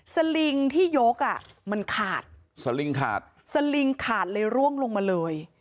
สลิงที่ยกอ่ะมันขาดสลิงขาดสลิงขาดเลยร่วงลงมาเลย